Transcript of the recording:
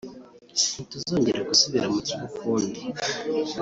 ntituzongera gusubira mu kibi ukundi